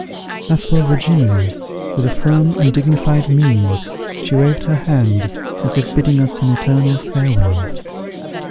As for Virginia, with a firm and dignified mien, she waved her hand, as if bidding us an eternal farewell.